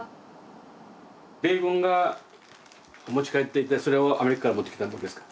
米軍が持ち帰っていったそれをアメリカから持ってきたということですか？